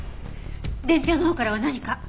伝票のほうからは何か？